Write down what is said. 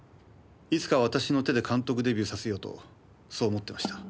いつか私の手で監督デビューさせようとそう思ってました。